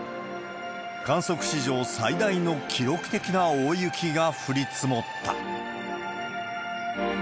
観測史上最大の記録的な大雪が降り積もった。